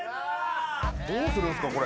どうするんすかこれ。